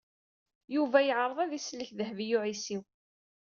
Yuba yeɛreḍ ad d-isellek Dehbiya u Ɛisiw.